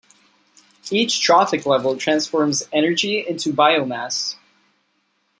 Each trophic level transforms energy into biomass.